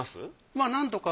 まあ何度か。